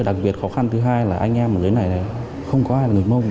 đặc biệt khó khăn thứ hai là anh em ở dưới này không có ai là người mông